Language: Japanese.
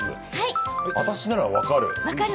私なら分かる？